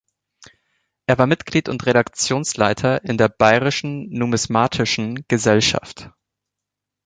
Er war Mitglied und Redaktionsleiter in der Bayerischen Numismatischen Gesellschaft.